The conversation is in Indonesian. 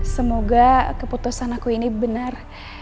semoga keputusan aku ini benar